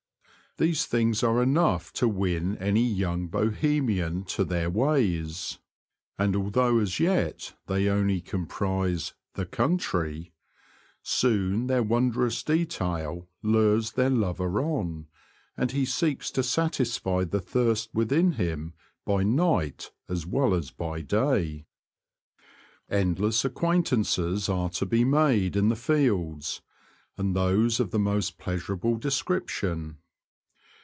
These things are enough to win any young Bohemian to their ways, and although as yet they only comprise ''the 1 6 The Confessions of a Poacher. country," soon their wondrous detail lures their lover on, and he seeks to satisfy the thirst within him by night as well as by day. Endless acquaintances are to ' be made in the fields, and those of the most pleasur able description.